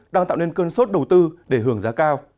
đang tạo nên cơn sốt đầu tư để hưởng giá cao